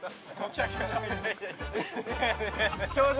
表情！